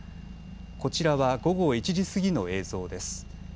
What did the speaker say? こちらは午後１時過ぎの映像です。